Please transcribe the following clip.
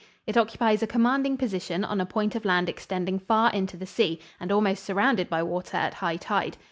It occupies a commanding position on a point of land extending far into the sea and almost surrounded by water at high tide.